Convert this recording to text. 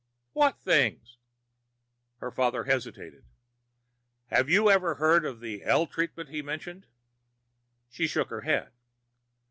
"What things?" Her father hesitated. "Have you ever heard of this L treatment he mentioned?" She shook her head.